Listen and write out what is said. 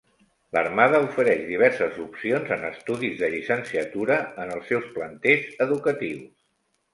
L'Armada ofereix diverses opcions en estudis de llicenciatura en els seus planters educatius.